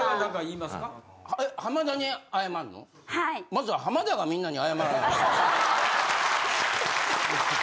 まずは浜田がみんなに謝らなあかん。